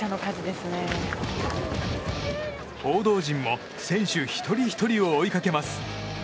報道陣も選手一人ひとりを追いかけます。